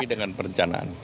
tapi dengan perencanaan